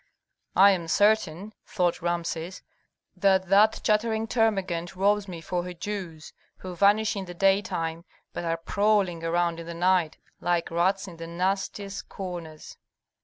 "I am certain," thought Rameses, "that that chattering termagant robs me for her Jews, who vanish in the daytime but are prowling around in the night, like rats in the nastiest corners!"